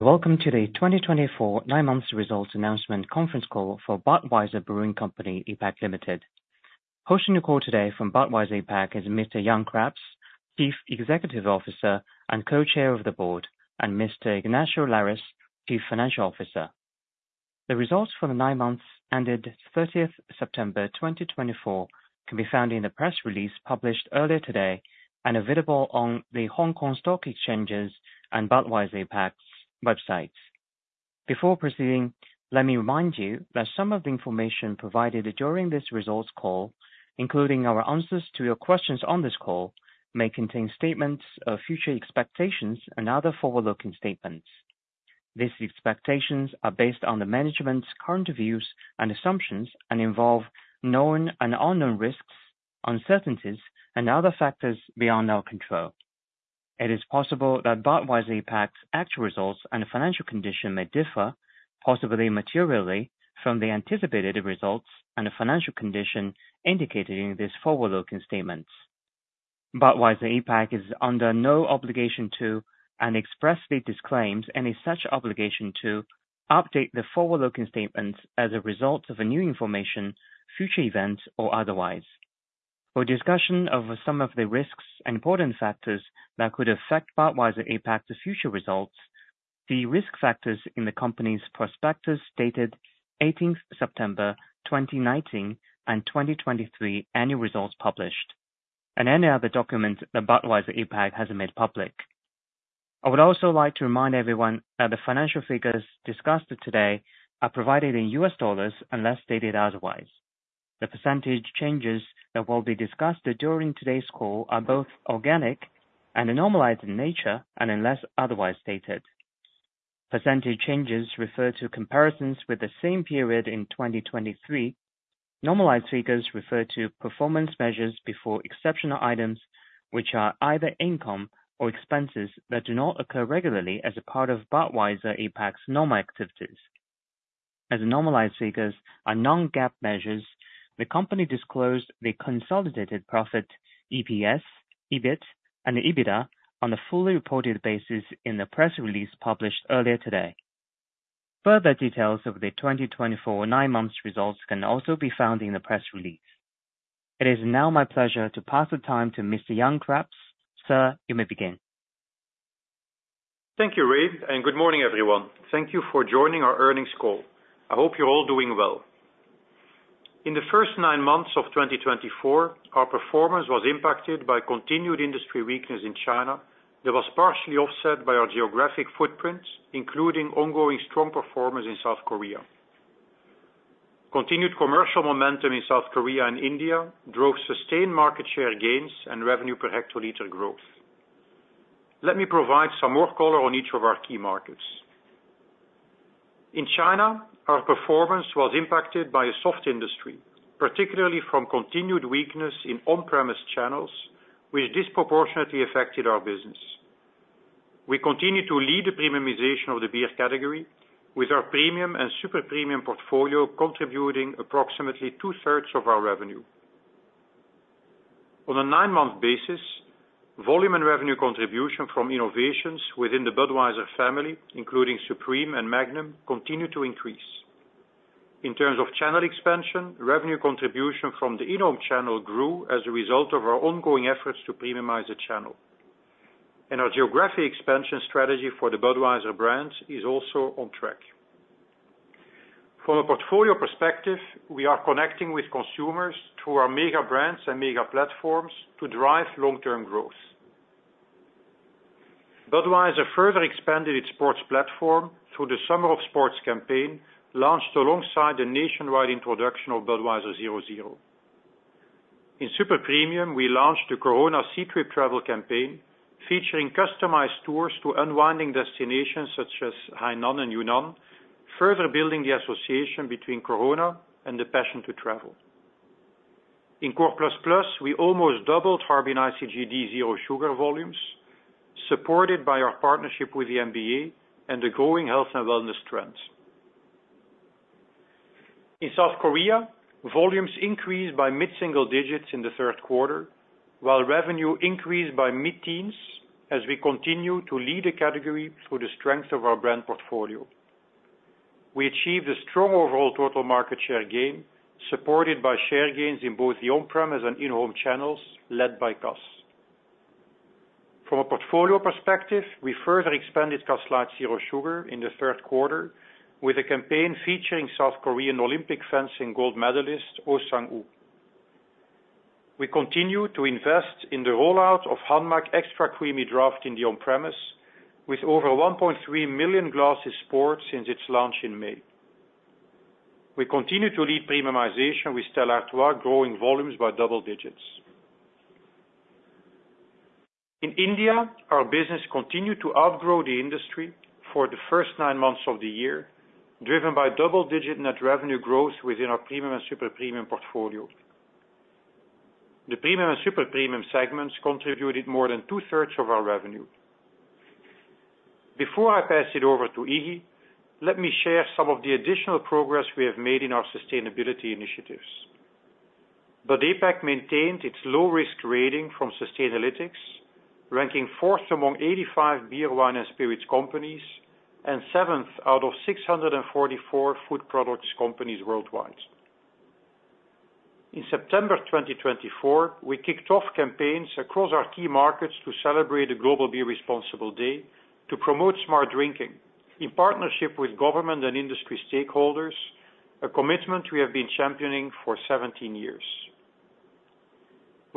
Welcome to the 2024 nine months results announcement conference call for Budweiser Brewing Company APAC Limited. Hosting the call today from Budweiser APAC is Mr. Jan Craps, Chief Executive Officer and Co-Chair of the Board, and Mr. Ignacio Lares, Chief Financial Officer. The results for the nine months ended 30th September 2024 can be found in the press release published earlier today and available on the Hong Kong Stock Exchange and Budweiser APAC's website. Before proceeding, let me remind you that some of the information provided during this results call, including our answers to your questions on this call, may contain statements of future expectations and other forward-looking statements. These expectations are based on the management's current views and assumptions and involve known and unknown risks, uncertainties and other factors beyond our control. It is possible that Budweiser APAC's actual results and financial condition may differ possibly materially from the anticipated results and financial condition indicated in this forward looking statement. Budweiser APAC is under no obligation to and expressly disclaims any such obligation to update the forward looking statements as a result of a new information, future events or otherwise. For discussion of some of the risks and important factors that could affect Budweiser APAC's future results, the risk factors in the Company's prospectus dated 18th September 2019 and 2023 annual results published and any other documents that Budweiser APAC has made public. I would also like to remind everyone that the financial figures discussed today are provided in U.S. dollars unless stated otherwise. The percentage changes that will be discussed during today's call are both organic and normalized in nature, and unless otherwise stated, percentage changes refer to comparisons with the same period in 2023. Normalized figures refer to performance measures before exceptional items, which are either income or expenses that do not occur regularly as a part of Budweiser APAC's normal activities. As normalized figures are non-GAAP measures, the Company disclosed the consolidated profit EPS, EBIT, and EBITDA on a fully reported basis in the press release published earlier today. Further details of the 2024 9-months results can also be found in the press release. It is now my pleasure to pass the time to Mr. Jan Craps. Sir, you may begin. Thank you, Ray, and good morning, everyone. Thank you for joining our earnings call. I hope you're all doing well. In the first nine months of 2024, our performance was impacted by continued industry weakness in China that was partially offset by our geographic footprint, including ongoing strong performance in South Korea. Continued commercial momentum in South Korea and India drove sustained market share gains and revenue per hectoliter growth. Let me provide some more color on each of our key markets. In China, our performance was impacted by a soft industry, particularly from continued weakness in on-premise channels which disproportionately affected our business. We continue to lead the premiumization of the beer category with our Premium and Super Premium portfolio contributing approximately two thirds of our revenue on a nine-month basis. Volume and revenue contribution from innovations within the Budweiser family including Supreme and Magnum continue to increase in terms of channel expansion. Revenue contribution from the in-home channel grew as a result of our ongoing efforts to premiumize the channel and our geographic expansion strategy for the Budweiser brand is also on track. From a portfolio perspective, we are connecting with consumers through our mega brands and mega platforms to drive long-term growth. Budweiser further expanded its sports platform through the Summer of Sports campaign launched alongside the nationwide introduction of Budweiser 0.0 in Super Premium. We launched the Corona Ctrip Travel Campaign featuring customized tours to unwinding destinations such as Hainan and Yunnan, further building the association between Corona and the passion to travel. In Korea, we almost double Harbin Ice GD Zero Sugar volumes supported by our partnership with the NBA and the growing health and wellness trend in South Korea. Volumes increased by mid single digits in the third quarter while revenue increased by mid teens. As we continue to lead a category through the strength of our brand portfolio, we achieved a strong overall total market share gain supported by share gains in both the on-premise and in-home channels led by Cass. From a portfolio perspective, we further expanded Cass Light Zero Sugar in the third quarter with a campaign featuring South Korean Olympic fencing gold medalist Oh Sang-uk. We continue to invest in the rollout of Hanmac Extra Creamy Draft in the on-premise with over 1.3 million glasses poured since its launch in May. We continue to lead premiumization with Stella Artois growing volumes by double digits. In India, our business continued to outgrow the industry for the first nine months of the year driven by double-digit net revenue growth within our Premium and Super Premium portfolio. The Premium and Super Premium segments contributed more than two-thirds of our revenue. Before I pass it over to Iggy, let me share some of the additional progress we have made in our sustainability initiatives. Bud APAC maintained its low risk rating from Sustainalytics, ranking 4th among 85 brewers, wine and spirits companies and 7th out of 644 food products companies worldwide. In September 2024 we kicked off campaigns across our key markets to celebrate a global Be Responsible Day to promote smart drinking in partnership with government and industry stakeholders. A commitment we have been championing for 17 years.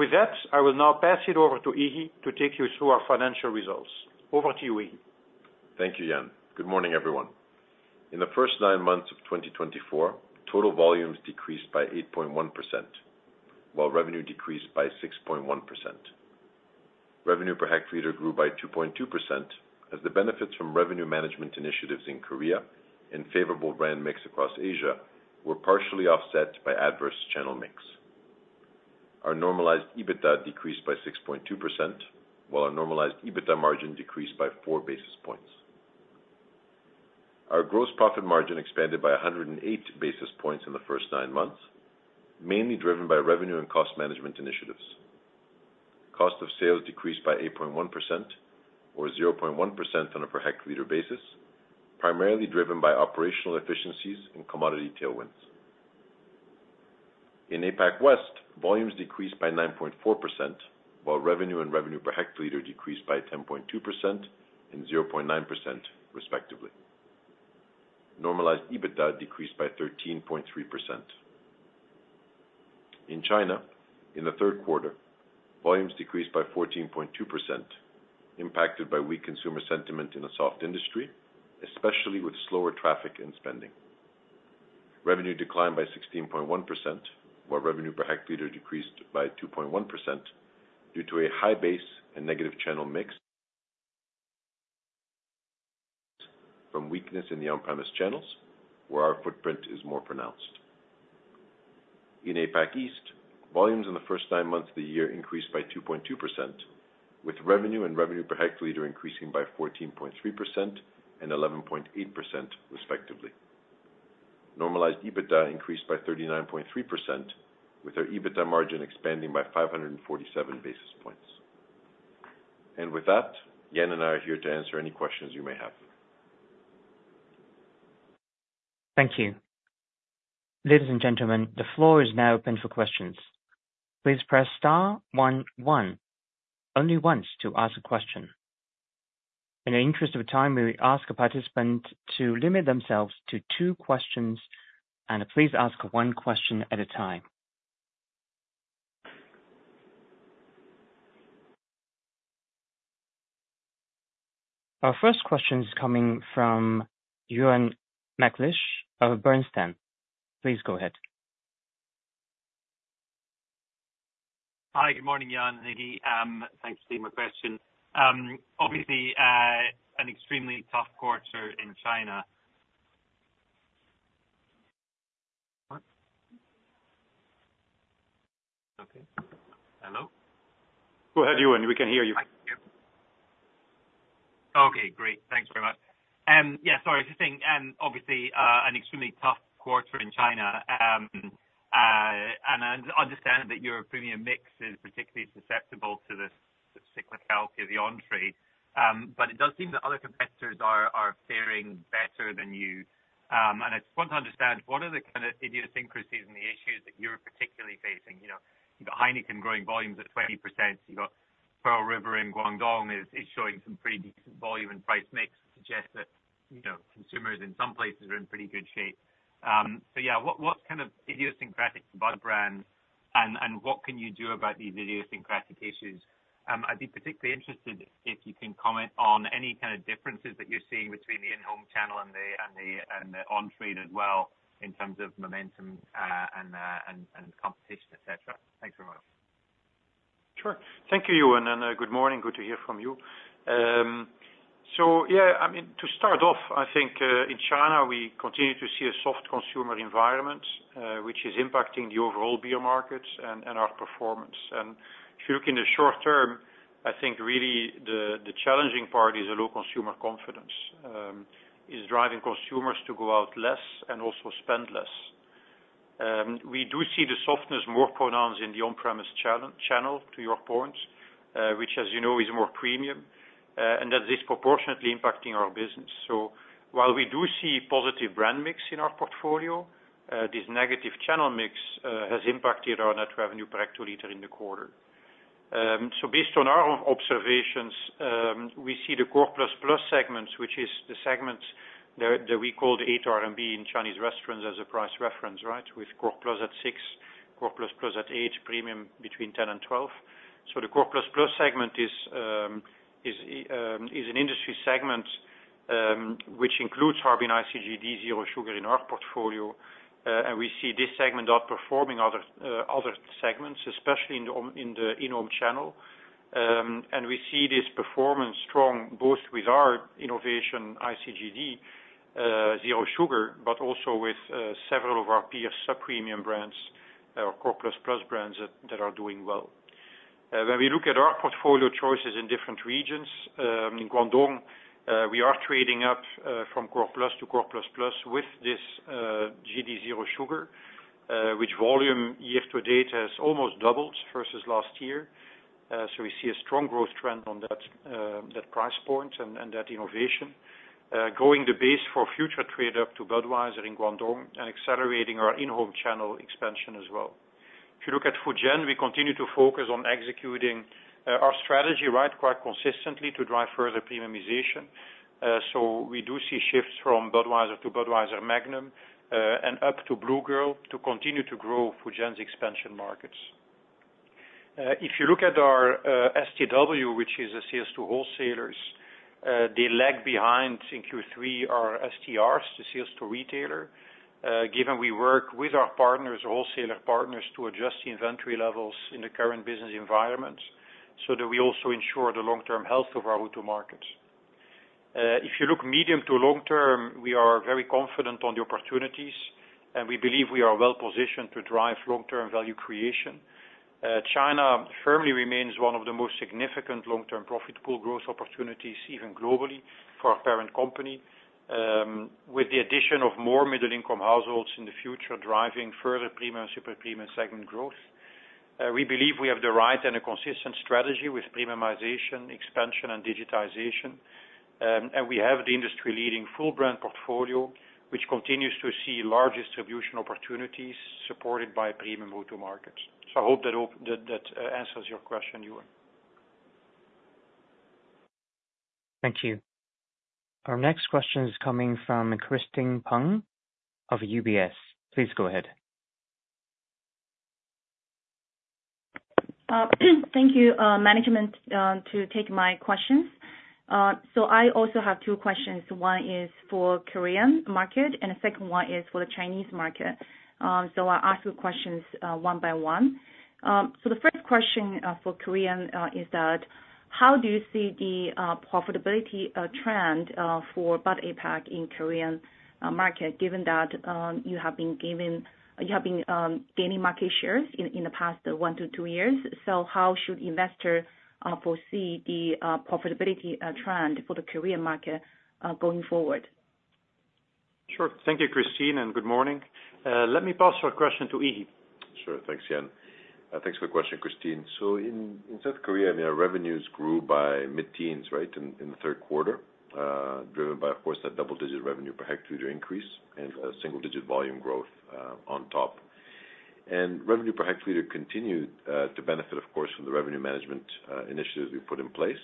With that, I will now pass it over to Iggy to take you through our financial results. Over to you, Iggy. Thank you, Jan. Good morning everyone. In the first nine months of 2024, total volumes decreased by 8.1% while revenue decreased by 6.1%. Revenue per hectoliter grew by 2.2% as the benefits from revenue management initiatives in Korea and favorable brand mix across Asia were partially offset by adverse channel mix. Our normalized EBITDA decreased by 6.2% while our normalized EBITDA margin decreased by 4 basis points. Our gross profit margin expanded by 108 basis points in the first nine months, mainly driven by revenue and cost management initiatives. Cost of sales decreased by 8.1% or 0.1% on a per hectoliter basis, primarily driven by operational efficiencies and commodity tailwinds. In APAC West, volumes decreased by 9.4% while revenue and revenue per hectoliter decreased by 10.2% and 0.9% respectively. Normalized EBITDA decreased by 13.3% in China. In the third quarter, volumes decreased by 14.2% impacted by weak consumer sentiment in a soft industry, especially with slower traffic and spending. Revenue declined by 16.1% while revenue per hectoliter decreased by 2.1% due to a high base and negative channel mix from weakness in the on-premise channels where our footprint is more pronounced. In APAC East, volumes in the first nine months of the year increased by 2.2% with revenue and revenue per hectoliter increasing by 14.3% and 11.8% respectively. Normalized EBITDA increased by 39.3% with our EBITDA margin expanding by 547 basis points. And with that, Jan and I are here to answer any questions you may have. Thank you. Ladies and gentlemen, the floor is now open for questions. Please press star one one only once to ask a question. In the interest of time, we ask a participant to limit themselves to two questions. And please ask one question at a time. Our first question is coming from Euan McLeish of Bernstein. Please go ahead. Hi. Good morning, Jan. Iggy, thanks for taking my question. Obviously an extremely tough quarter in China. Okay. Hello. Go ahead, Euan. We can hear you. Okay, great. Thanks very much. Yeah, sorry. Just saying, obviously an extremely tough quarter in China. And I understand that your Premium mix is particularly susceptible to the cyclicality of the economy. But it does seem that other competitors are faring better than you. And it's tough to understand what are the kind of idiosyncrasies and the issues that you're particularly facing. You know, you've got Heineken growing volumes at 20%. You've got Pearl River in Guangdong is showing some pretty decent volume and price mix suggests that consumers in some places are in pretty good shape. So yeah, what's kind of idiosyncratic to your brand? And what can you do about these idiosyncratic issues? I'd be particularly interested if you can comment on any kind of differences that you're seeing between the in-home channel and the on-trade as well in terms of momentum and competition, et cetera. Thanks very much. Sure. Thank you Euan and good morning. Good to hear from you. So yes, I mean to start off, I think in China we continue to see a soft consumer environment which is impacting the overall beer market and our performance. And if you look in the short term, I think really the challenging part is a low consumer confidence is driving consumers to go out less and also spend less. We do see the softness more pronounced in the on-premise channel to your point, which as you know is more Premium and that's disproportionately impacting our business. So while we do see positive brand mix in our portfolio, this negative channel mix has impacted our net revenue per hectoliter in the quarter. So based on our observations, we see the core segments, which is the segments that we call the 8 RMB in Chinese restaurants as a price reference, right? With Core+ at 6, Core+ at 8 Premium between 10 and 12. So the Core++ segment is an industry segment which Harbin Ice GD Zero Sugar in our portfolio. And we see this segment outperforming other segments especially in the on-premise channel. And we see this performance strong both with our innovation Ice GD Zero Sugar but also with several of our peer sub Premium brands or core brands that are doing well. When we look at our portfolio choices in different regions in Guangdong we are trading up from Core+ to Core++ with this GD Zero Sugar which volume year to date has almost doubled versus last year. So we see a strong growth trend on that price point and that innovation, growing the base for future trade up to Budweiser in Guangdong and accelerating our in-home channel expansion as well. If you look at Fujian, we continue to focus on executing our strategy right quite consistently to drive further premiumization. So we do see shifts from Budweiser to Budweiser Magnum and up to Blue Girl to continue to grow Fujian's expansion markets. If you look at our STW which is a sales to wholesalers, the lag behind in Q3 are STRs the sales to retailer given. We work with our partners, wholesaler partners to adjust the inventory levels in the current business environment so that we also ensure the long-term health of our core markets. If you look medium to long term, we are very confident on the opportunities and we believe we are well positioned to drive long term value creation. China firmly remains one of the most significant long term profitable growth opportunities even globally for our parent company with the addition of more middle income households in the future driving further Premiums, Super Premium segment growth. We believe we have the right and a consistent strategy with premiumization, expansion and digitization and we have the industry leading full brand portfolio which continues to see large distribution opportunities supported by Premium mature markets. So, I hope that answers your question Euan. Thank you. Our next question is coming from Christine Peng of UBS. Please go ahead. Thank you, management, to take my questions. So I also have two questions. One is for Korean market and the second one is for the Chinese market. So I ask the questions one by one. So the first question for Korean is that how do you see the profitability trend for Bud APAC in Korean market? Given that you have been gaining market shares in the past one to two years so how should investor foresee the profitability trend for the Korean market going forward? Sure. Thank you, Christine, and good morning. Let me pass our question to Iggy. Sure. Thanks Jan. Thanks for the question Christine. So in South Korea revenues grew by mid-teens right in the third quarter driven by of course that double-digit revenue per hectoliter increase and single-digit volume growth on top and revenue per hectoliter continued to benefit of course from the revenue management initiatives we put in place.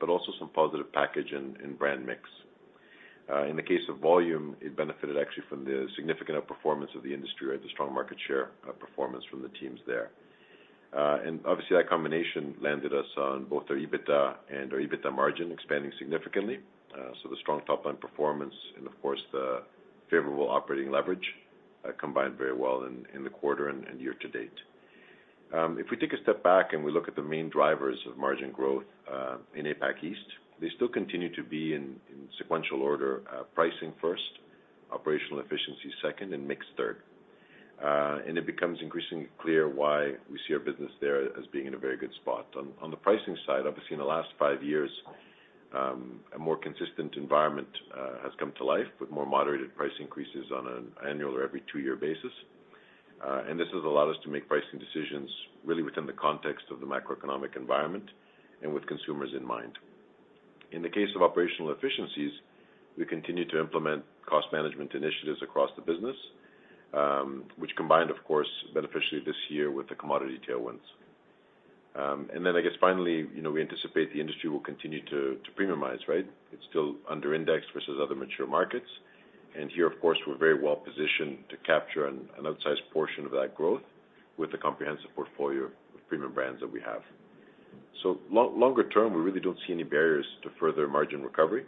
But also some positive package and brand mix. In the case of volume it benefited actually from the significant outperformance of the industry, right. The strong market share performance from the teams there and obviously that combination landed us on both our EBITDA and our EBITDA margin expanding significantly. So the strong top line performance and of course the favorable operating leverage combined very well in the quarter and year to date. If we take a step back and we look at the main drivers of margin growth in APAC East, they still continue to be in sequential order pricing first, operational efficiency second, and mix third, and it becomes increasingly clear why we see our business there as being in a very good spot on the pricing side. Obviously in the last five years, a more consistent environment has come to life with more moderated price increases on an annual or every two-year basis. And this has allowed us to make pricing decisions really within the context of the macroeconomic environment and with consumers in mind. In the case of operational efficiencies, we continue to implement cost management initiatives across the business, which combined of course beneficially this year with the commodity tailwinds. And then I guess finally we anticipate the industry will continue to premiumize, right? It's still under indexed versus other mature markets. And here of course we're very well positioned to capture an outsized portion of that growth with the comprehensive portfolio of Premium brands that we have. So longer term we really don't see any barriers to further margin recovery.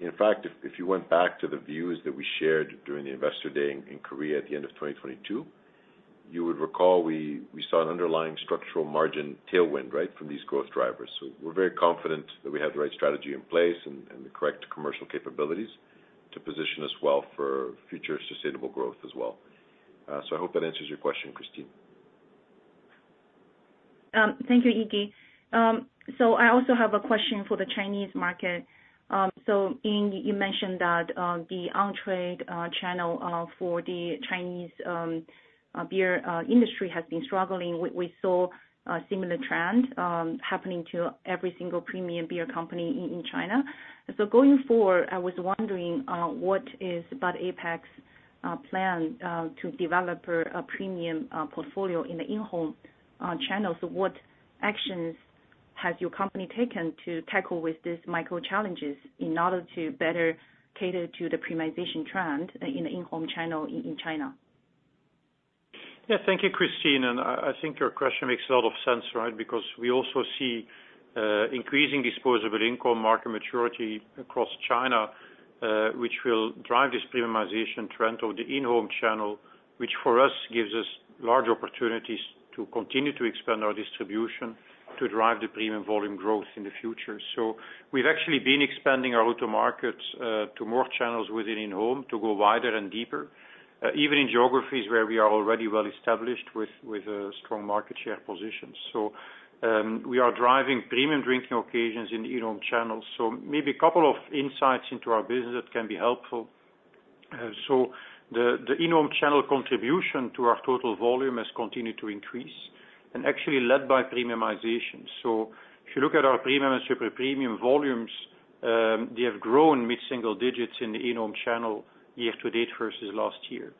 In fact, if you went back to the views that we shared during the investor day in Korea at the end of 2022, you would recall we saw an underlying structural margin tailwind right from these growth drivers. So we're very confident that we have the right strategy in place and the correct commercial capabilities to position us well for future sustainable growth as well. So I hope that answers your question, Christine. Thank you, Iggy. So I also have a question for the Chinese market. So you mentioned that the on-trade channel for the Chinese beer industry has been struggling. We saw a similar trend happening to every single Premium beer company in China. So going forward I was wondering what is Bud APAC's plan to develop a Premium portfolio in the in-home channels? What actions has your company taken to tackle with these macro challenges in order to better cater to the premiumization trend in in-home channel in China? Yes, thank you, Christine, and I think your question makes a lot of sense, right? Because we also see increasing disposable income, market maturity across China, which will drive this premiumization trend of the in-home channel, which for us gives us large opportunities to continue to expand our distribution to drive the Premium volume growth in the future, so we've actually been expanding our O2O markets to more channels within in-home to go wider and deeper even in geographies where we are already well established with strong market share position, so we are driving Premium drinking occasions in in-home channels, so maybe a couple of insights into our business that can be helpful, so the in-home channel contribution to our total volume has continued to increase and actually led by premiumization. So if you look at our Premium and Premium volumes, they have grown mid single digits in the in-home channel year to date versus last year.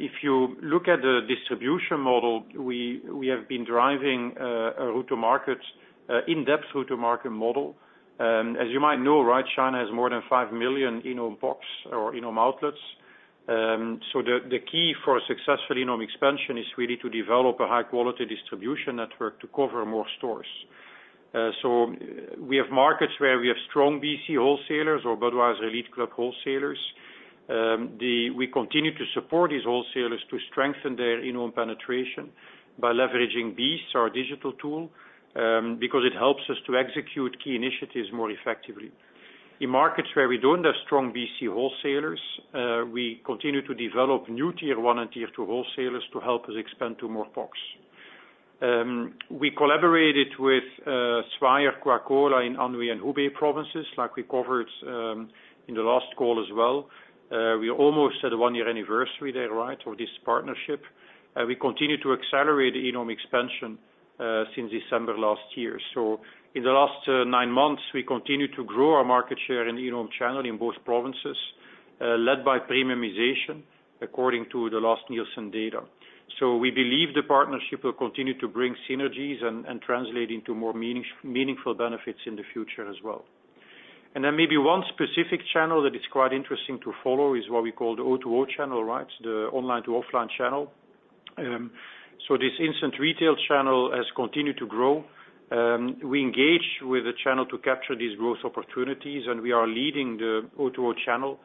If you look at the distribution model, we have been driving in-depth route to market model as you might know, right? China has more than 5 million in-home box or in-home outlets. So the key for successful in-home expansion is really to develop a high-quality distribution network to cover more stores. So we have markets where we have strong BC wholesalers or Budweiser elite club wholesalers. We continue to support these wholesalers to strengthen their in-home penetration by leveraging BEES, our digital tool because it helps us to execute key initiatives more effectively in markets where we don't have strong BC wholesalers. We continue to develop new Tier 1 and Tier 2 wholesalers to help us expand to more POS. We collaborated with Swire Coca-Cola in Anhui and Hubei provinces like we covered in the last call as well. We almost had a one-year anniversary day, right, of this partnership. We continue to accelerate in-home expansion since December last year. In the last nine months we continue to grow our market share in the in-home channel in both provinces led by premiumization according to the last Nielsen data. We believe the partnership will continue to bring synergies and translate into more meaningful benefits in the future as well. Then maybe one specific channel that is quite interesting to follow is what we call the O2O channel, right? The online to offline channel. This instant retail channel has continued to grow. We engage with the channel to capture these growth opportunities and we are leading the O2O channel.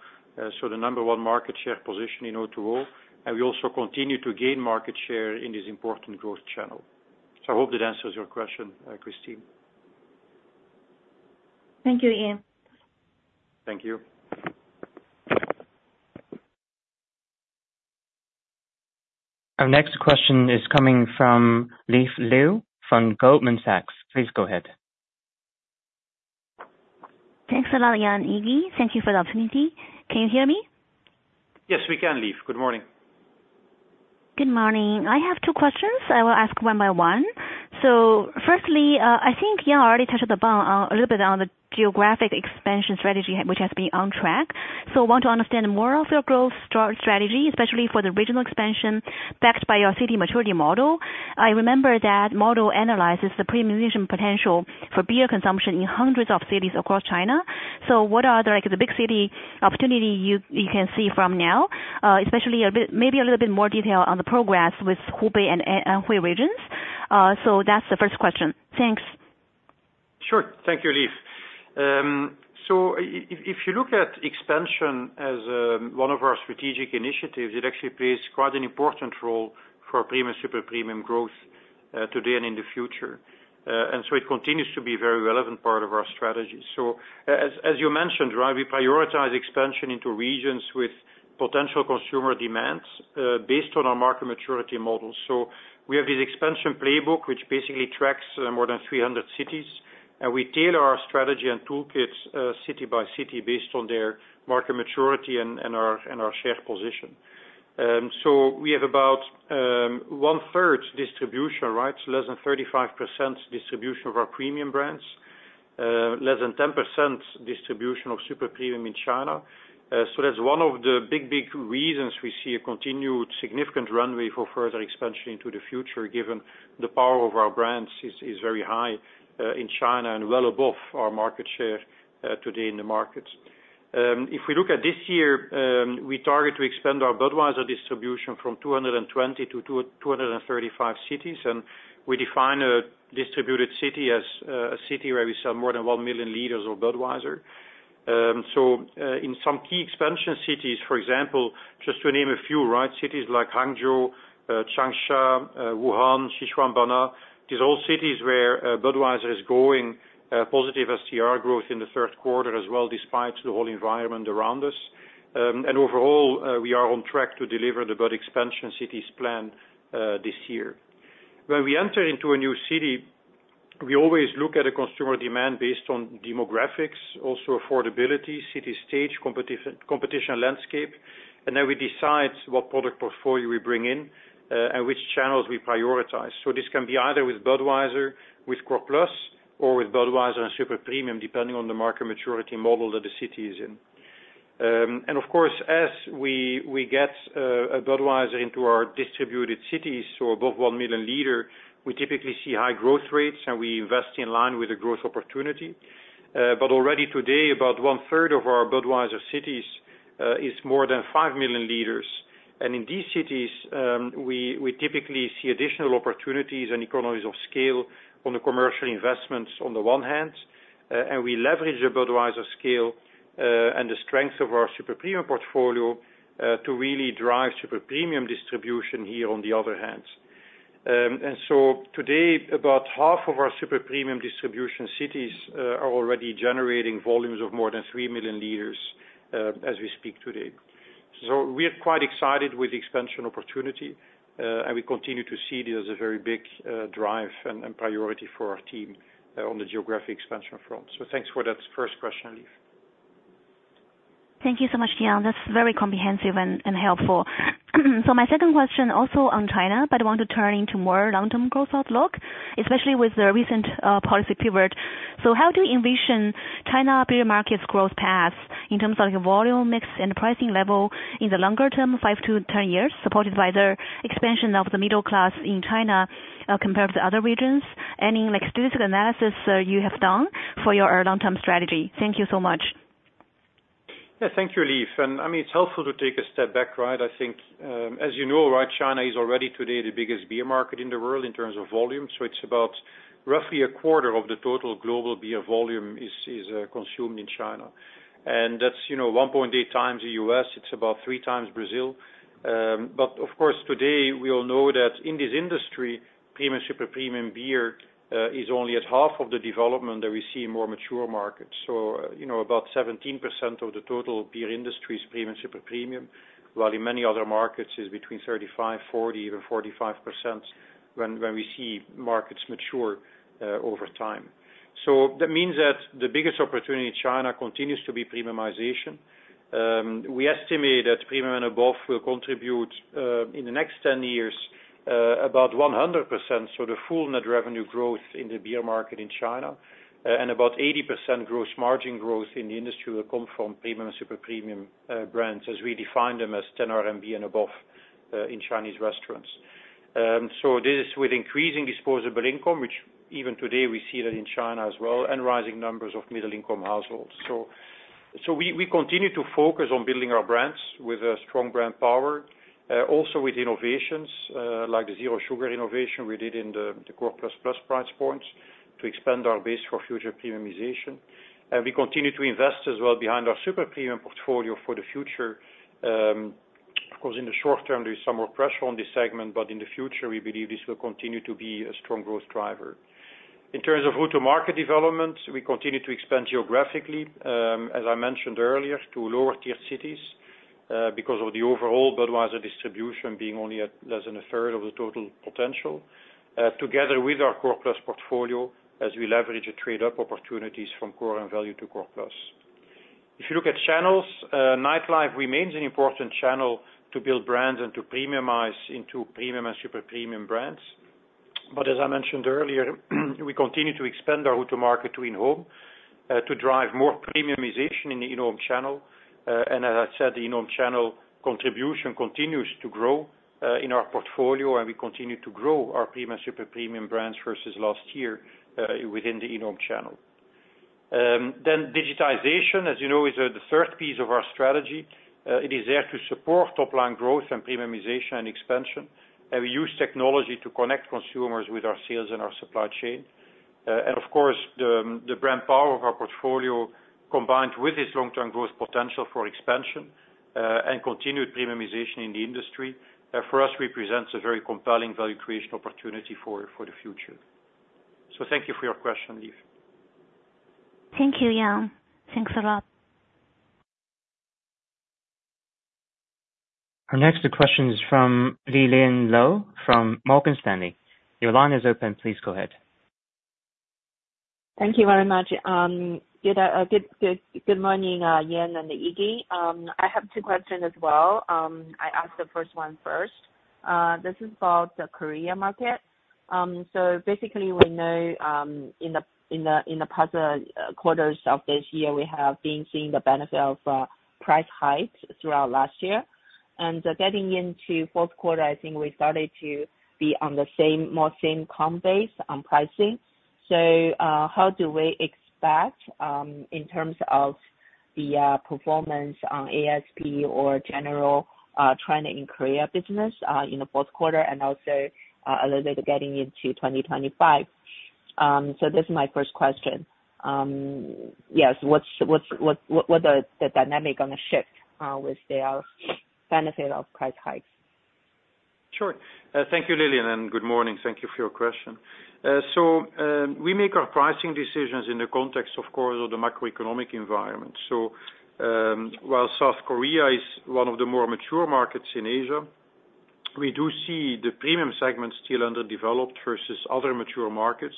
So the number one market share position in O2O and we also continue to gain market share in this important growth channel. So I hope that answers your question, Christine. Thank you, Jan. Thank you. Our next question is coming from Leaf Liu from Goldman Sachs. Please go ahead. Thanks a lot. Jan, Iggy, thank you for the opportunity. Can you hear me? Yes, we can leave. Good morning. Good morning. I have two questions I will ask one by one. So firstly, I think Jang already touched. The bond a little bit on the. Geographic expansion strategy which has been on track. So want to understand more of your growth strategy especially for the regional expansion backed by your city maturity model. I remember that model analyzes the Premium potential for beer consumption in hundreds of cities across China. So what are the big city opportunity you can see from now? Especially maybe a little bit more detail on the progress with Hubei and Anhui regions. So that's the first question. Thanks. Sure. Thank you, Leaf. So if you look at expansion as one of our strategic initiatives, it actually plays quite an important role for Premium, Super Premium growth today and in the future. And so it continues to be a very relevant part of our strategy. So as you mentioned, we prioritize expansion into regions with potential consumer demands based on our market maturity models. So we have this expansion playbook which basically tracks more than 300 cities. And we tailor our strategy and toolkits city by city based on their market maturity and our share position. So we have about one third distribution rights, less than 35% distribution of our Premium brands, less than 10% distribution of Super Premium in China. So that's one of the big, big reasons we see a continued significant runway for further expansion into the future, given the power of our brands is very high in China and well above our market share today in the markets. If we look at this year, we target to expand our Budweiser distribution from 220 to 235 cities. And we define a distributed city as a city where we sell more than one million liters of Budweiser. So in some key expansion cities, for example, just to name a few, right cities like Hangzhou, Changsha, Wuhan, Sichuan, Xishuangbanna, these all cities where Budweiser is growing positive STR growth in the third quarter as well, despite the whole environment around us. And overall, we are on track to deliver the Bud expansion cities plan this year. When we enter into a new city, we always look at a consumer demand based on demographics, also affordability, city stage, competition, landscape. And then we decide what product portfolio we bring in and which channels we prioritize. So this can be either with Budweiser, with Corona, or with Budweiser and Super Premium depending on the market maturity model that the city is in. And of course, as we get a Budweiser into our distributed cities, so above 1 million liter we typically see high growth rates and we invest in line with the growth opportunity. But already today about one third of our Budweiser cities is more than 5 million liters. In these cities we typically see additional opportunities and economies of scale on the commercial investments on the one hand, and we leverage Budweiser scale and the strength of our Super Premium portfolio to really drive Super Premium distribution here on the other hand. So to today, about half of our Super Premium distribution cities are already generating volumes of more than three million liters as we speak today. We are quite excited with the expansion opportunity and we continue to see this as a very big drive and priority for our team on the geographic expansion front. Thanks for that first question, Leaf. Thank you so much, Jan. That's very comprehensive and helpful. So my second question also on China, but I want to turn into more long-term growth outlook especially with the recent policy pivot. So how do you envision China beer market's growth path in terms of volume mix and pricing level in the longer term? 5 years-10 years supported by the expansion of the middle class in China compared to other regions. Any statistical analysis you have done for your long-term strategy. Thank you so much. Thank you, Leaf. And I mean it's helpful to take a step back, right? I think as you know, China is already today the biggest beer market in the world in terms of volume. So it's about roughly a quarter of the total global beer volume is consumed in China and that's, you know, 1.8x the U.S. It's about 3x Brazil. But of course today we all know that in this industry Premium Super Premium beer is only at half of the development that we see in more mature markets. So you know, about 17% of the total beer industry is Premium Super Premium while in many other markets is between 35%-40%, even 45% when we see markets mature over time. So that means that the biggest opportunity in China continues to be premiumization. We estimate that Premium and above will contribute in the next 10 years about 100% sort of full net revenue growth in the beer market in China and about 80% gross margin growth in the industry will come from Premium and Super Premium Premium brands as we define them as 10 RMB and above in Chinese restaurants. This, with increasing disposable income which even today we see that in China as well and rising numbers of middle income households. We continue to focus on building our brands with strong brand power. Also with innovations like the Zero Sugar innovation we did in the Core+ plus price points to expand our base for future premiumization. We continue to invest as well behind our Super Premium portfolio for the future. Of course in the short term there is some more pressure on this segment. But in the future we believe this will continue to be a strong growth driver in terms of route to market development. We continue to expand geographically as I mentioned earlier to lower tier cities because of the overall Budweiser distribution being only at less than a third of the total potential. Together with our Core+ portfolio as we leverage a trade up opportunities from core and value to Core+. If you look at channels, nightlife remains an important channel to build brands and to premiumize into Premium and Super Premium brands. But as I mentioned earlier, we continue to expand our hotel market to in home to drive more premiumization in the in home channel. And as I said, the in home channel contribution continues to grow in our portfolio and we continue to grow our Premium Super Premium brands versus last year within the on-premise channel. Then digitization, as you know, is the third piece of our strategy. It is there to support top line growth and premiumization and expansion and we use technology to connect consumers with our sales and our supply chain. And of course the brand power of our portfolio combined with its long term growth potential for expansion and continued premiumization in the industry for us represents a very compelling value creation opportunity for the future. So thank you for your question, Leaf. Thank you Jan. Thanks a lot. Our next question is from Lillian Lou from Morgan Stanley. Your line is open. Please go ahead. Thank you very much. Good morning Jan and Iggy, I have two questions as well. I'll ask the first one first. This is about the Korea market. So basically we know in the past quarters of this year we have been seeing the benefit of price hikes throughout last year and getting into fourth quarter I think we started to be on the same more same comparable basis on pricing. So how do we expect in terms of the performance on ASP or general trend in Korea business in the fourth quarter and also a little bit getting into 2025. So this is my first question. Yes. What the dynamic on the shift with the benefit of price hikes? Sure. Thank you, Lillian, and good morning. Thank you for your question. So we make our pricing decisions in the context, of course, of the macroeconomic environment. So while South Korea is one of the more mature markets in Asia, we do see the Premium segment still underdeveloped versus other mature markets.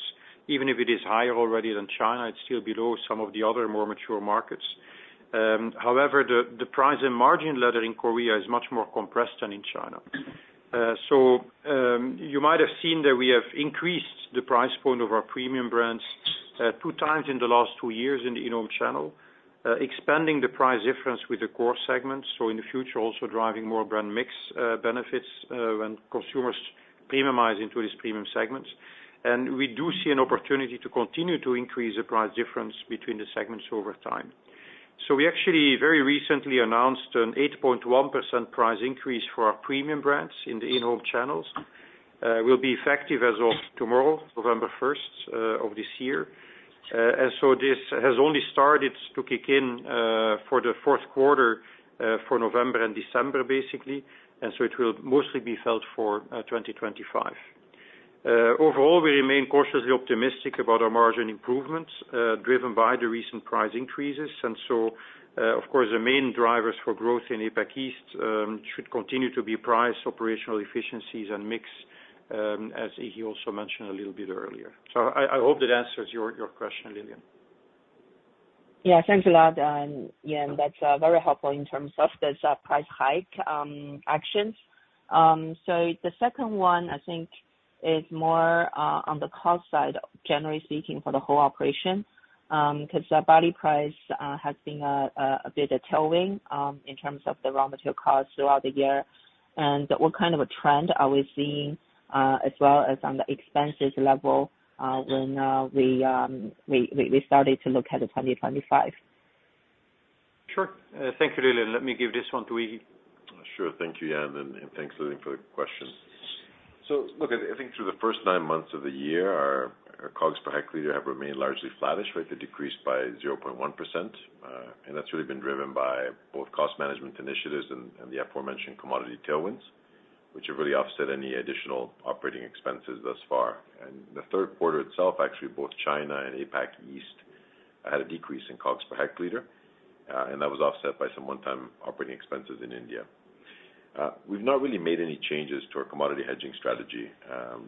Even if it is higher already than China, it's still below some of the other more mature markets. However, the price and margin level in Korea is much more compressed than in China. So you might have seen that we have increased the price point of our Premium brands two times in the last two years in the on-premise channel, expanding the price difference with the core segments. So in the future also driving more brand mix benefits when consumers premiumize into these Premium segments. We do see an opportunity to continue to increase the price difference between the segments over time. So we actually very recently announced an 8.1% price increase for our Premium brands in the in-home channels, which will be effective as of tomorrow, November 1st of this year. And so this has only started to kick in for the fourth quarter for November and December basically. And so it will mostly be felt for 2025. Overall we remain cautiously optimistic about our margin improvements driven by the recent price increases. And so of course the main drivers for growth in APAC East should continue to be price, operational efficiencies and mix as he also mentioned a little bit earlier. So I hope that answers your question, Lillian. Yeah, thanks a lot. That's very helpful in terms of this price hike actions. So the second one I think is more on the cost side generally speaking for the whole operation because barley price has been a bit tailwind in terms of the raw material costs throughout the year. And what kind of a trend are we seeing as well as on the expenses level when we started to look at the 2025? Sure. Thank you Lillian. Let me give this one to Iggy. Sure. Thank you Jan. And thanks Lillian for the question. So look, I think through the first nine months of the year our COGS per hectoliter have remained largely flattish. They decreased by 0.1% and that's really been driven by both cost management initiatives and the aforementioned commodity tailwinds which have really offset any additional operating expenses thus far. And the third quarter itself. Actually both China and APAC East had a decrease in COGS per hectoliter and that was offset by some one-time operating expenses. In India. We've not really made any changes to our commodity hedging strategy.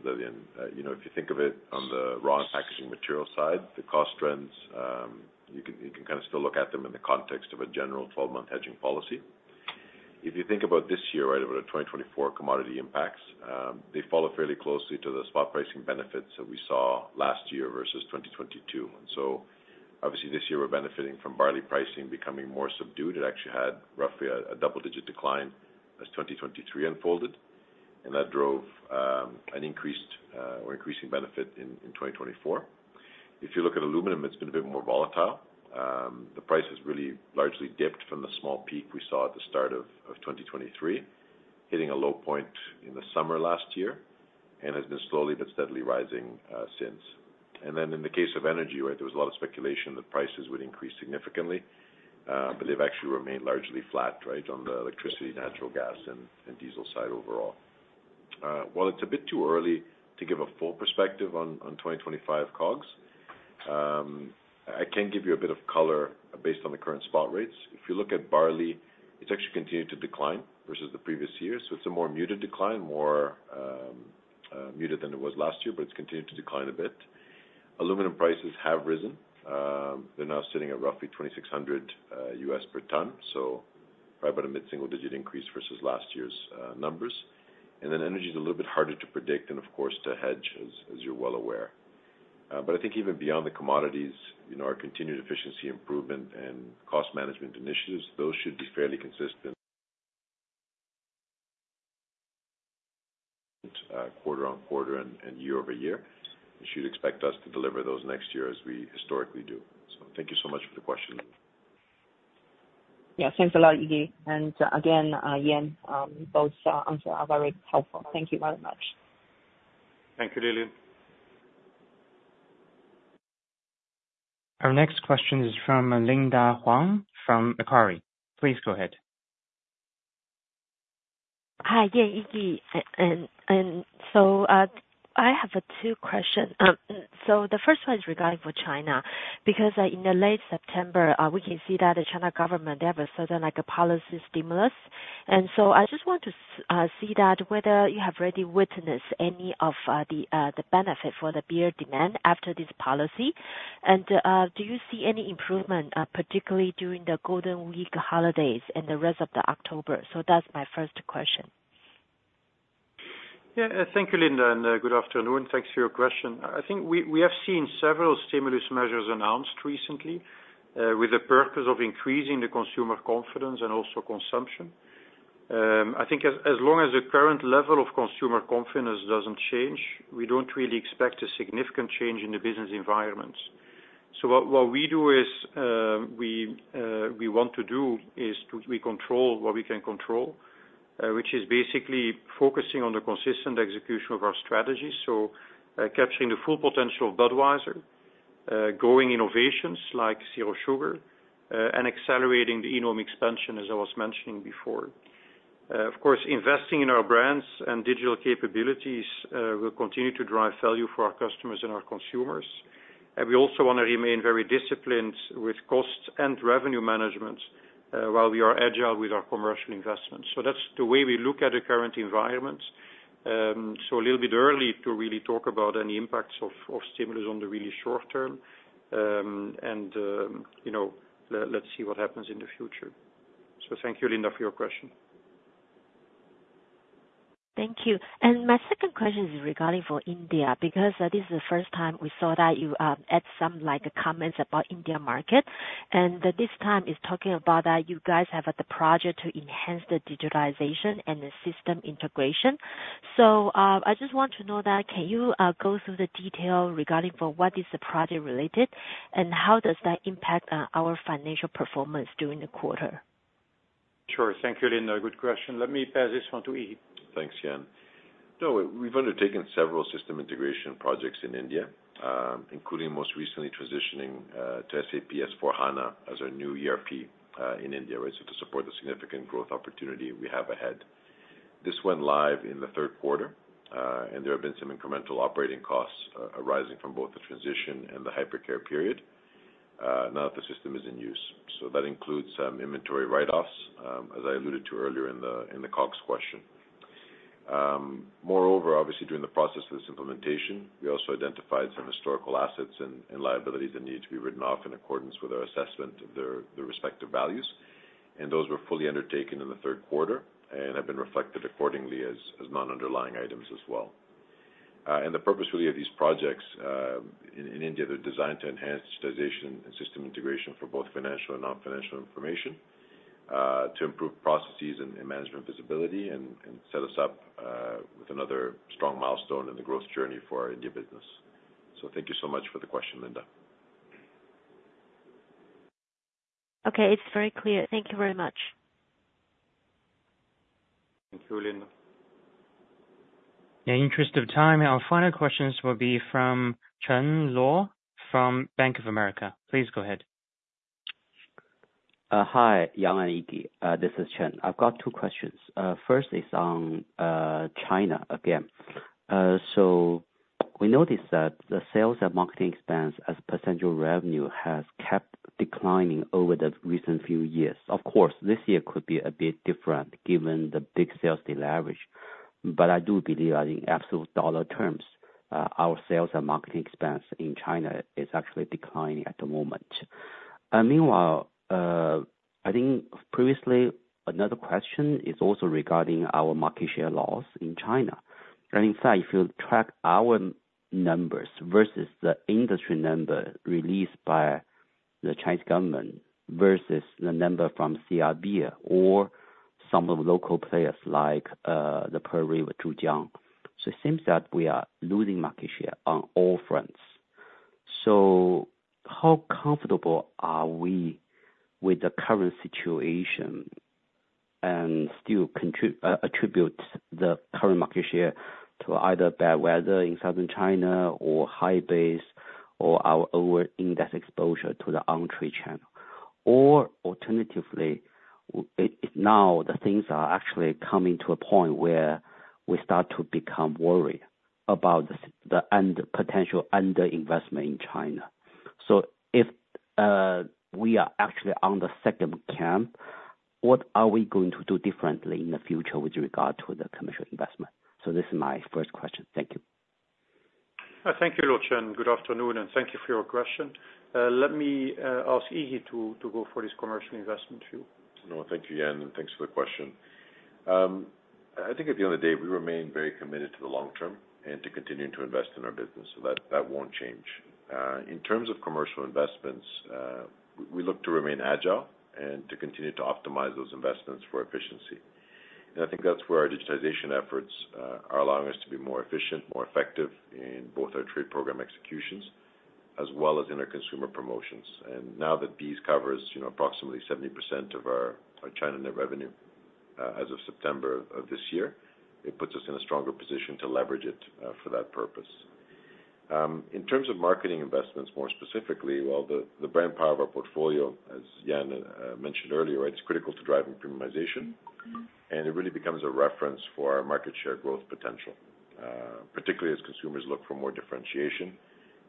If you think of it on the raw and packaging material side, the cost trends, you can kind of still look at them in the context of a general 12-month hedging policy. If you think about this year, right, about 2024 commodity impacts, they follow fairly closely to the spot pricing benefits that we saw last year versus 2022. So obviously this year we're benefiting from barley pricing becoming more subdued. It actually had roughly a double-digit decline as 2023 unfolded and that drove an increased or increasing benefit in 2024. If you look at aluminum, it's been a bit more volatile. The price has really largely dipped from the small peak we saw at the start of 2023, hitting a low point in the summer last year and has been slowly but steadily rising since. And then in the case of energy, there was a lot of speculation that prices would increase significantly, but they've actually remained largely flat right on the electricity, natural gas and diesel side. Overall while it's a bit too early to give a full perspective on 2025 COGS, I can give you a bit of color based on the current spot rates. If you look at barley, it's actually continued to decline versus the previous year. So it's a more muted decline, more muted than it was last year, but it's continued to decline a bit. Aluminum prices have risen. They're now sitting at roughly $2,600 per tonne, so probably about a mid single digit increase versus last year's numbers. And then energy is a little bit harder to predict and of course to hedge as you're well aware. But I think even beyond the commodities, our continued efficiency improvement and cost management initiatives, those should be fairly consistent. Quarter on quarter and year over year. You should expect us to deliver those next year as we historically do. So thank you so much for the question. Yeah, thanks a lot Iggy and again Jan, both answers are very helpful. Thank you very much. Thank you Lillian. Our next question is from Linda Huang from Macquarie. Please go ahead. Hi. So I have two questions. The first one is regarding China because in late September we can see that the Chinese government issued that like a policy stimulus. And so I just want to see whether you have already witnessed any of the benefits for the beer demand after this policy and do you see any improvement particularly during the Golden Week holidays and the rest of October. That's my first question. Thank you, Linda, and good afternoon. Thanks for your question. I think we have seen several stimulus measures announced recently with the purpose of increasing the consumer confidence and also consumption. I think as long as the current level of consumer confidence doesn't change, we don't really expect a significant change in the business environment. So what we want to do is we control what we can control which is basically focusing on the consistent execution of our strategy so capturing the full potential of Budweiser, growing innovations like Zero Sugar and accelerating the enormous expansion. As I was mentioning before, of course investing in our brands and digital capabilities will continue to drive value for our customers and our consumers. And we also want to remain very disciplined with costs and revenue management while we are agile with our commercial investments. So that's the way we look at the current environment. So a little bit early to really talk about any impacts of stimulus on the really short term and let's see what happens in the future. So thank you Linda for your question. Thank you. And my second question is regarding for India because this is the first time we saw that you add some comments about India market and this time is talking about that you guys have the project to enhance the digitalization and the system integration. So I just want to know that can you go through the detail regarding for what is the project related and how does that impact our financial performance during the quarter? Sure. Thank you Linda. Good question. Let me pass this one to Iggy. Thanks Jan. We've undertaken several system integration projects in India, including most recently transitioning to SAP S/4HANA as our new ERP in India to support the significant growth opportunity we have ahead. This went live in the third quarter and there have been some incremental operating costs arising from both the transition and the Hypercare period now that the system is in use. So that includes some inventory write-offs as I alluded to earlier in the COGS question. Moreover, obviously during the process of this implementation we also identified some historical assets and liabilities that needed to be written off in accordance with our assessment of their respective values and those were fully undertaken in the third quarter and have been reflected accordingly as non-underlying items as well. The purpose really of these projects in India, they're designed to enhance digitization and system integration for both financial and non financial information, to improve processes and management visibility and set us up with another strong milestone in the growth journey for our India business. Thank you so much for the question Linda. Okay, it's very clear. Thank you very much. Thank you, Linda. In interest of time, our final questions will be from Chen Luo from Bank of America. Please go ahead. Hi Jan and Iggy, this is Chen. I've got two questions. First is on China again. So we noticed that the sales and marketing expense as percentage of revenue has kept declining over the recent few years. Of course this year could be a bit different given the big sales deleverage, but I do believe that in absolute dollar terms our sales and marketing expense in China is actually declining at the moment. Meanwhile I think previously another question is also regarding our market share loss in China and in fact if you track our numbers versus the industry number released by the Chinese government versus the number from CRB or some of the local players like the Pearl River Zhujiang. So it seems that we are losing market share on all fronts. So, how comfortable are we with the current situation and still attribute the current market share to either bad weather in Southern China or high base or our over index exposure to the entry channel? Or, alternatively, now the things are actually coming to a point where we start to become worried about the potential under investment in China. So, if we are actually on the second camp, what are we going to do differently in the future with regard to the commercial investment? So, this is my first question. Thank you, thank you Luo, Chen. Good afternoon and thank you for your question. Let me ask Iggy to go for this commercial investment view. Thank you Jan and thanks for the question. I think at the end of the day we remain very committed to the long term and to continue to invest in our business so that won't change in terms of commercial investments. We look to remain agile and to continue to optimize those investments for efficiency, and I think that's where our digitization efforts are allowing us to be more efficient, more effective in both our trade program executions as well as interconnected consumer promotions, and now that BEES covers approximately 70% of our China net revenue as of September of this year, it puts us in a stronger position to leverage it for that purpose in terms of marketing investments. More specifically, while the brand power of our portfolio, as Jan mentioned earlier, it's critical to driving premiumization and it really becomes a reference for our market share growth potential, particularly as consumers look for more differentiation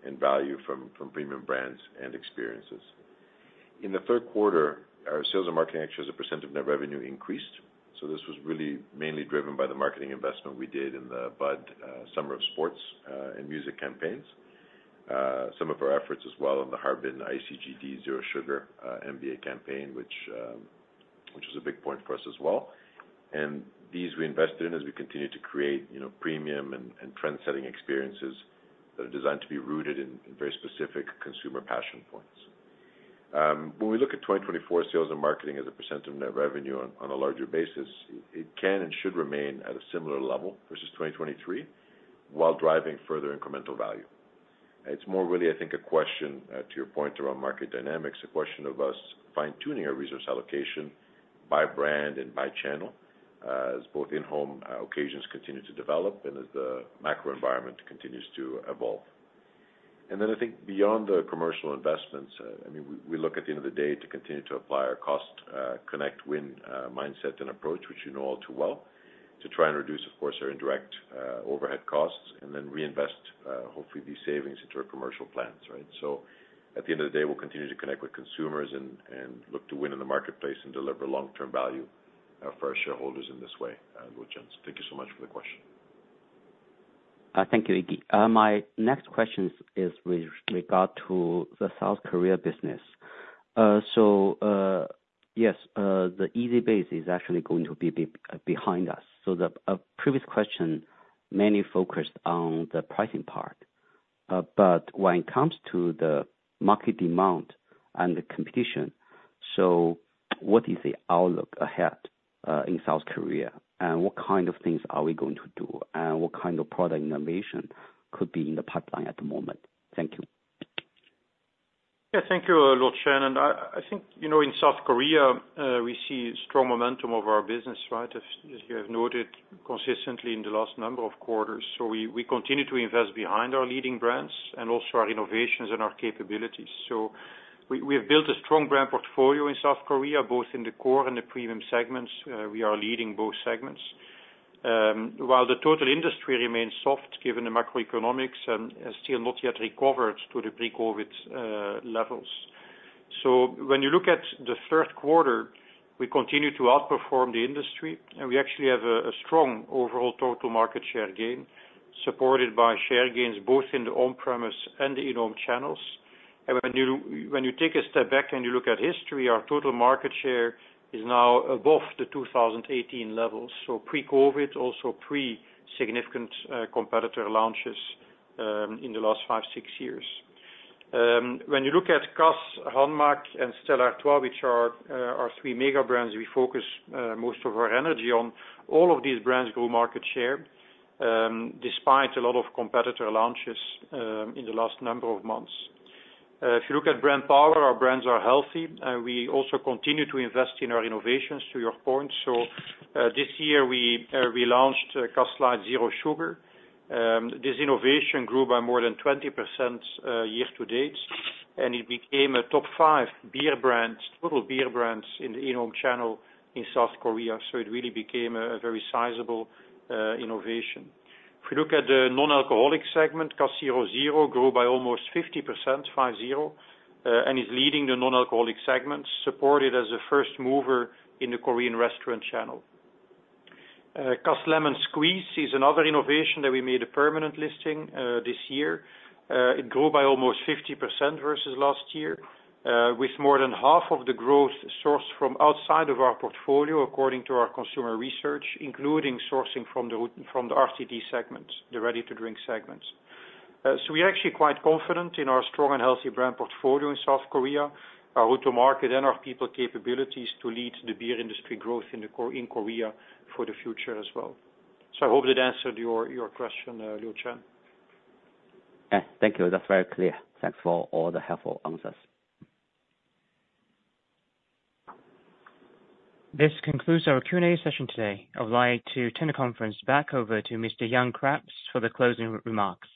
and value from Premium brands and experiences. In the third quarter, our sales and marketing actually as a percent of net revenue increased. So this was really mainly driven by the marketing investment we did in the Bud Summer of Sports and Music campaigns. Some of our efforts as well in the Harbin ICGD Zero Sugar NBA campaign which was a big point for us as well. And these we invested in as we continue to create Premium and trend setting experiences that are designed to be rooted in very specific consumer passion points. When we look at 2024 sales and marketing as a percent of net revenue on a larger basis, it can and should remain at a similar level versus 2023 while driving further incremental value. It's more really I think a question to your point around market dynamics. It's a question of us fine-tuning our resource allocation by brand and by channel as both in-home occasions continue to develop and as the macro environment continues to evolve and then I think beyond the commercial investments, I mean we look at the end of the day to continue to apply our cost, connect, win mindset and approach which you know all too well to try and reduce, of course, our indirect overhead costs and then reinvest hopefully these savings into our commercial plans. Right. So at the end of the day we'll continue to connect with consumers and look to win in the marketplace and deliver long-term value for our shareholders in this way. Thank you so much for the question. Thank you. My next question is with regard to the South Korea business. So yes, the easy base is actually going to be behind us. So the previous question mainly focused on the pricing part. But when it comes to the market demand and the competition. So what is the outlook ahead in South Korea and what kind of things are we going to do and what kind of product innovation could be in the pipeline at the moment? Thank you. Thank you a lot. Chen, and I think you know in South Korea we see strong momentum of our business, right? As you have noted consistently in the last number of quarters. So we continue to invest behind our leading brands and also our innovations and our capabilities. So we have built a strong brand portfolio in South Korea both in the core and the Premium segments. We are leading both segments while the total industry remains soft given the macroeconomics still not yet recovered to the pre-COVID levels. So when you look at the third quarter we continue to outperform the industry and we actually have a strong overall total market share gain supported by share gains both in the on-premise and the in-home channels. And when you take a step back and you look at history, our total market share is now above the 2018 levels. So pre-COVID also pre significant competitor launches in the last 56 years. When you look at Cass, Hanmac and Stella Artois which are our three mega brands, we focus most of our energy on. All of these brands grew market share despite a lot of competitor launches in the last number of months. If you look at brand power, our brands are healthy. We also continue to invest in our innovations to your point. So this year we launched Cass Light Zero Sugar. This innovation grew by more than 20% year to date and it became a top five beer brand total beer brands in the in-home channel in South Korea. So it really became a very sizable innovation. If you look at the non-alcoholic segment, Cass 0.0 grew by almost 50% by zero and is leading the non-alcoholic segment supported as the first mover in the Korean restaurant channel. Cass Lemon Squeeze is another innovation that we made a permanent listing this year. It grew by almost 50% versus last year with more than half of the growth sourced from outside of our portfolio according to our consumer research including sourcing from the RTD segments, the ready-to-drink segments. So we're actually quite confident in our strong and healthy brand portfolio in South Korea, our route to market and our people capabilities to lead the beer industry growth in Korea for the future as well. So I hope that answered your question. Luo Chen. Thank you. That's very clear. Thanks for all the helpful answers. This concludes our Q&A session today. I would like to turn the conference back over to Mr. Jan Craps for the closing remarks.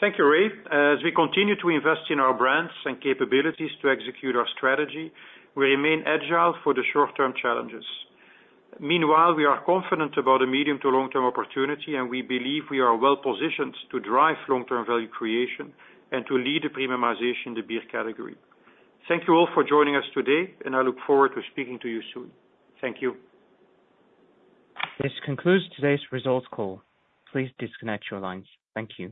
Thank you Ray. As we continue to invest in our brands and capabilities to execute our strategy, we remain agile for the short term challenges. Meanwhile we are confident about a medium to long term opportunity and we believe we are well positioned to drive long term value creation and to lead the premiumization in the beer category. Thank you all for joining us today, and I look forward to speaking to you soon. Thank you. This concludes today's results call. Please disconnect your lines. Thank you.